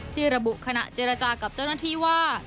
ที่ระบุขณะเจรจากับเจ้าหน้าที่ว่า